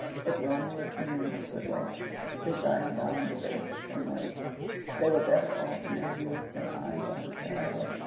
If Romulus and Remus could wait, Josiah Bounderby can wait. They were better off in their youth than I was, however.